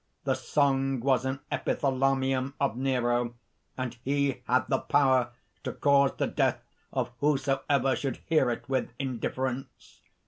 The song was an epithalamium of Nero; and he had the power to cause the death of whosoever should hear it with indifference.